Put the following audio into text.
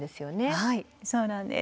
はいそうなんです。